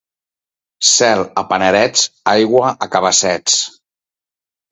Cel a panerets, aigua a cabassets.